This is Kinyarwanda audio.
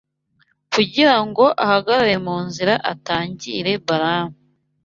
kugira ngo ahagarare mu nzira atangire Balamu